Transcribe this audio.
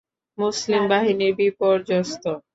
মুসলিম বাহিনী বিপর্যস্ত।